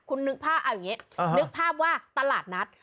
คุณนึกภาพเอาอย่างนี้นึกภาพว่าตลาดนัด